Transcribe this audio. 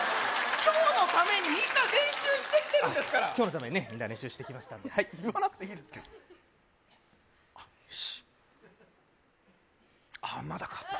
今日のためにみんな練習してきてるんですから今日のためにねみんな練習してきましたんではい言わなくていいですけどあっよしあっ